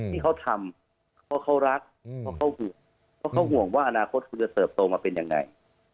ที่เค้าทำเพราะเค้ารักเพราะเค้าห่วงว่าอนาคตจะเติบโตมาเป็นยังไง